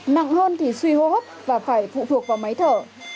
nặng hơn thì suy hô hấp và phải phụ thuộc vào máy thở